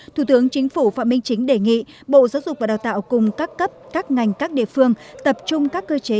thủ tướng chính phủ phạm minh chính đề nghị bộ giáo dục và đào tạo cùng các cấp các ngành các địa phương tập trung các cơ chế